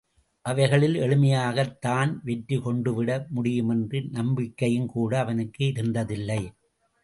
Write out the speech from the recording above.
அவைகளில் எளிமையாகத் தான் வெற்றி கொண்டுவிட முடியும் என்ற நம்பிக்கையும்கூட அவனுக்கு இருந்ததில்லை.